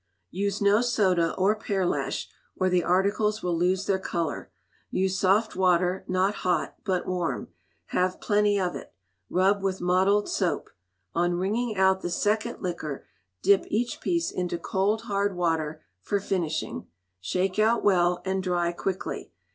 Use no soda, or pearlash, or the articles will lose their colour. Use soft water, not hot, but warm: have plenty of it. Rub with mottled soap. On wringing out the second liquor, dip each piece into cold hard water for finishing. Shake out well, and dry quickly.